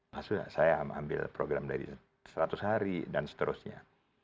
maksudnya saya ambil program dari seratus hari dan seterusnya